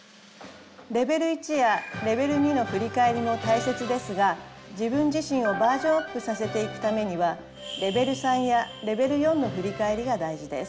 レベル１やレベル２の振り返りも大切ですが自分自身をバージョンアップさせていくためにはレベル３やレベル４の振り返りが大事です。